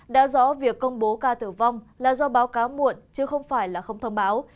đã rõ việc công bố ca tử vong là do báo cáo muộn chứ không phải là không thông báo